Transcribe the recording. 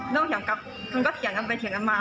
เถียงกับมันก็เถียงกันไปเถียงกันมา